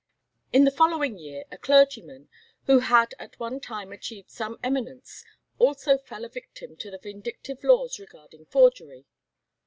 In the following year a clergyman, who had at one time achieved some eminence, also fell a victim to the vindictive laws regarding forgery.